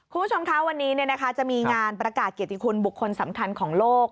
คุณผู้ชมคะวันนี้จะมีงานประกาศเกียรติคุณบุคคลสำคัญของโลก